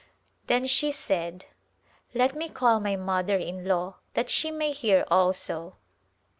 Then she said, " Let me call my mother in law that she may hear also."